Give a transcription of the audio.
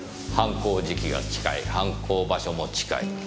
犯行時期が近い犯行場所も近い。